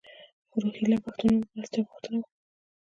روهیله پښتنو مرستې غوښتنه وکړه.